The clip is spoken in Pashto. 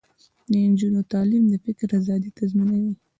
د نجونو تعلیم د فکر ازادي تضمینوي.